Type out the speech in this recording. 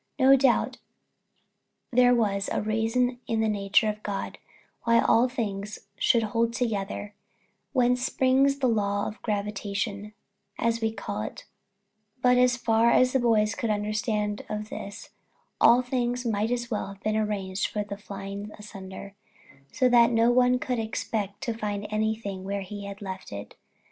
No doubt there was a reason in the nature of God, why all things should hold together, whence springs the law of gravitation, as we call it; but as far as the boys could understand of this, all things might as well have been arranged for flying asunder, so that no one could expect to find anything where he had left it.